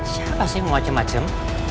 siapa sih yang macem macem